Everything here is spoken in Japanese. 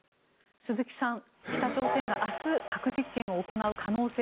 鈴木さん、北朝鮮が明日、核実験を行う可能性